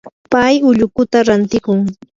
pay ullukuta rantiykun.